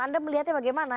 anda melihatnya bagaimana